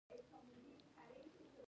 رسوب د افغانانو د فرهنګي پیژندنې برخه ده.